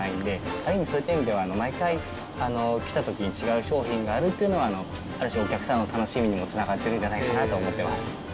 ある意味、そういった意味では、毎回来たときに違う商品があるっていうのは、ある種、お客さんの楽しみにもつながってるんじゃないかなと思ってます。